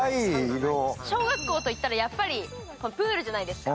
小学校といったら、やっぱりプールじゃないですか。